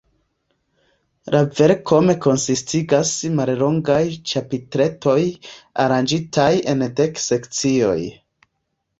La verkon konsistigas mallongaj ĉapitretoj, aranĝitaj en dek sekcioj.